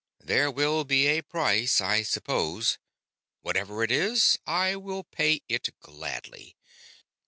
There will be a price, I suppose. Whatever it is, I will pay it gladly."